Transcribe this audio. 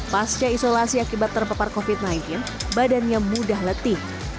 pasca isolasi akibat terpapar covid sembilan belas badannya mudah letih